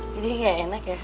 jadi gak enak ya